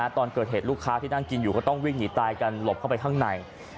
ตอนเกิดเหตุลูกค้าที่นั่งกินอยู่ก็ต้องวิ่งหนีตายกันหลบเข้าไปข้างใน